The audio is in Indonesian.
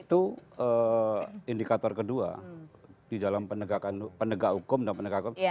itu indikator kedua di dalam penegak hukum dan penegak hukum